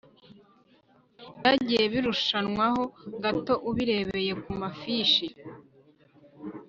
byagiye birushanwaho gato ubirebeye ku mafishi